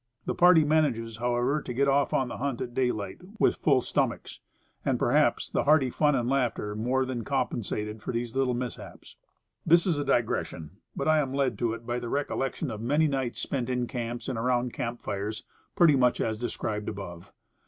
The party manages, however, to get off on the hunt at daylight, with full stomachs; and perhaps the hearty fun and laughter more than compensate for these little mishaps. This is digression. But, I am led to it by the recol lection of many nights spent in camps and around camp fires, pretty much as described above.